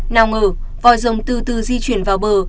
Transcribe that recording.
nào ngờ vòi dòng từ từ di chuyển vào bờ